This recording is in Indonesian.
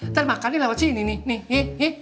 ntar makan nih lewat sini nih